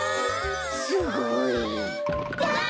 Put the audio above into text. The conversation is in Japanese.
すごい。わ！